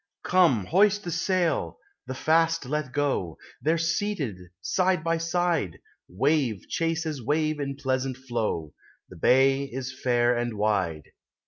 Come, hoist the sail, the fast let go ! They're seated side by side ; Wave chases wave in pleasant flow; The bay is fair and wide.